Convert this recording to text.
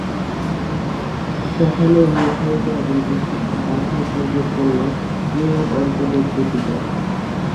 সেখানেই নির্ধারিত হবে বিশ্বকাপ বাছাইপর্বের জন্য ইউরোপ অঞ্চলের দুটি দল।